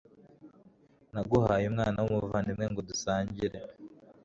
Naguhaye umwana wumuvandimwe ngo dusangire